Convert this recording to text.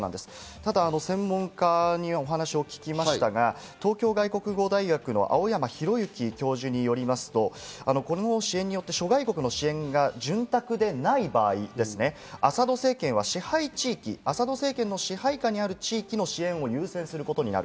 ただ専門家に話を聞きましたが、東京外国語大学の青山弘之教授によりますと、この支援によって、諸外国の支援が潤沢でない場合、アサド政権は支配地域の支援を優先することになる。